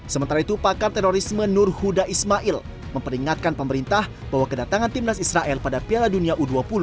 sementara itu pakar terorisme nur huda ismail memperingatkan pemerintah bahwa kedatangan timnas israel pada piala dunia u dua puluh